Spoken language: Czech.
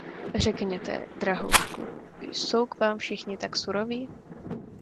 Řekněte, drahoušku, jsou k vám všichni tak suroví?